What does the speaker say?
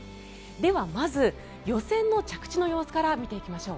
では、まず予選の着地の様子から見ていきましょう。